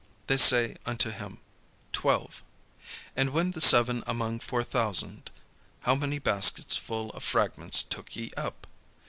They say unto him, "Twelve." "And when the seven among four thousand, how many baskets full of fragments took ye up?"